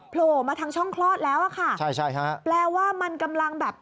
พลโหลมาทางช่องคลอดแล้วค่ะแปลว่ามันกำลังแบบ